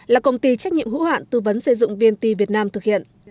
là công ty trách nhiệm hữu hạn tư vấn xây dựng viên ti việt nam thực hiện